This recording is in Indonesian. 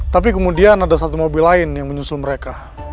tapi kemudian ada satu mobil lain yang menyusul mereka